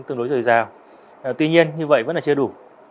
tương đối dồi dào tuy nhiên như vậy vẫn là chưa đủ